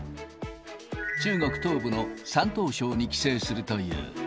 中国東部の山東省に帰省するという。